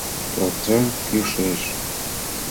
— Процент кӱшеш.